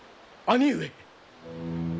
兄上？